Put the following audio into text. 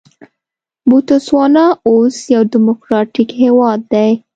بوتسوانا اوس یو ډیموکراټیک هېواد دی.